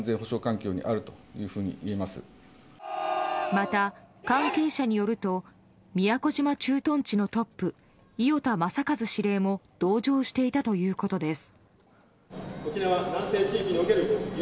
また、関係者によると宮古島駐屯地のトップ伊與田雅一司令も同乗していたということです。